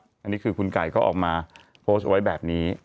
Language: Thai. อันนี้คือคุณไก่ก็ออกมาโพสต์ไว้แบบนี้